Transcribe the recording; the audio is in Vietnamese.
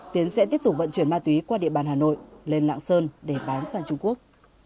tiến sẽ tiếp tục vận chuyển ma túy qua địa bàn hà nội lên lạng sơn để bán sang trung quốc